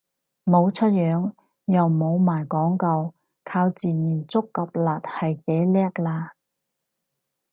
冇出樣又冇賣廣告，靠自然觸及率係幾叻喇